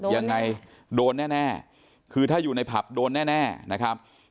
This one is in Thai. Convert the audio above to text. ยังไงโดนแน่คือถ้าอยู่ในผับโดนแน่นะครับ